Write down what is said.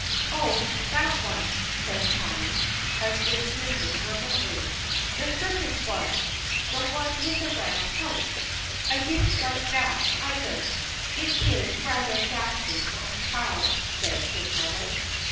"Oh, that one!" says Tommy, as if dimly remembering, "the circus one! The one with the round house. I didn't like that either." "It is rather ghastly for a child," says his mother.